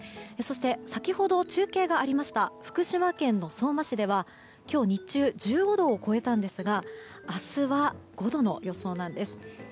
そして、先ほど中継がありました福島県相馬市では今日日中１５度を超えたんですが明日は５度の予想なんです。